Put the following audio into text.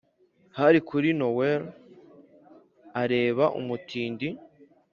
hari kuri noweli, areba umutindi;